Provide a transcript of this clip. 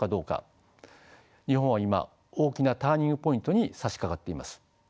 日本は今大きなターニングポイントにさしかかっています。